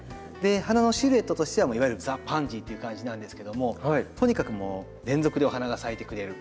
花のシルエットとしてはいわゆるザパンジーという感じなんですけどもとにかくもう連続でお花が咲いてくれる。